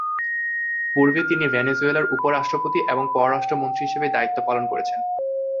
পূর্বে তিনি ভেনেজুয়েলার উপ-রাষ্ট্রপতি ও পররাষ্ট্রমন্ত্রী হিসেবে দায়িত্ব পালন করেছেন।